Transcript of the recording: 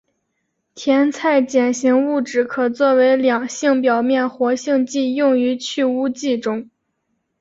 甜菜碱型物质可作为两性表面活性剂用于去污剂中。